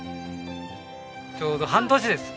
ちょうど半年です。